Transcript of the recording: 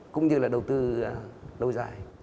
cũng như là đầu tư lâu dài